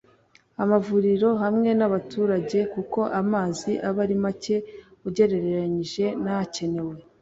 amavuriro hamwe n’abaturage kuko amazi aba ari make ugereranije n’akenewe